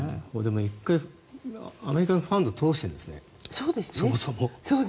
１回アメリカのファンドを通しているんですね。